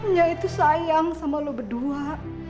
ya itu sayang sama lo berdua